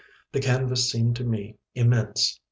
The canvas seemed to me immense.